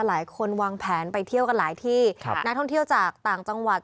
หลายคนวางแผนไปเที่ยวกันหลายที่ครับนักท่องเที่ยวจากต่างจังหวัด